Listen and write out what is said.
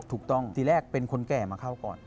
ถูกต้องทีแรกเป็นคนแก่มาเข้าก่อน